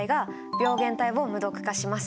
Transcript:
病原体を無毒化します。